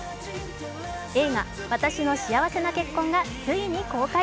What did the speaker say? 映画「わたしの幸せな結婚」がついに公開。